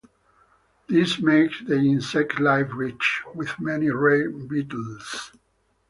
This makes the insect life rich, with many rare beetles.